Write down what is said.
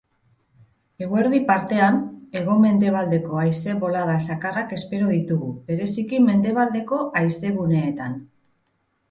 Eguerdi partean, hego-mendebaldeko haize-bolada zakarrak espero ditugu, bereziki mendebaldeko haizeguneetan.